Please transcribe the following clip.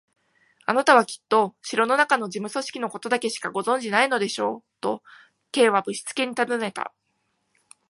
「あなたはきっと城のなかの事務組織のことだけしかご存じでないのでしょう？」と、Ｋ はぶしつけにたずねた。